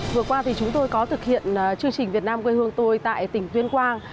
vừa qua thì chúng tôi có thực hiện chương trình việt nam quê hương tôi tại tỉnh tuyên quang